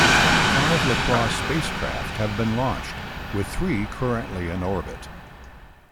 Five Lacrosse spacecraft have been launched, with three currently in orbit.